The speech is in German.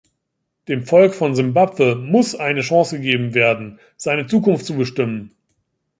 Dem Volk von Simbabwe muss eine Chance gegeben werden, seine Zukunft zu bestimmen.